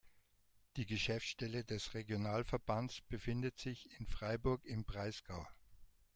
Die Geschäftsstelle des Regionalverbands befindet sich in Freiburg im Breisgau.